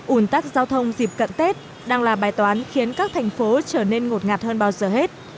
ủn tắc giao thông dịp cận tết đang là bài toán khiến các thành phố trở nên ngột ngạt hơn bao giờ hết